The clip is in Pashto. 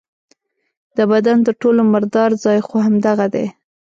د بدن تر ټولو مردار ځای خو همدغه دی.